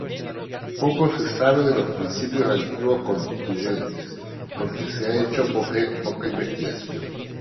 Poco se sabe de los principios activos constituyentes, porque se ha hecho poca investigación.